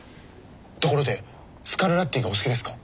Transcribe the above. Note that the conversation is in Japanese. ところでスカルラッティがお好きですか？